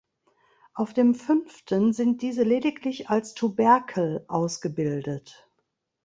Auf dem fünften sind diese lediglich als Tuberkel ausgebildet.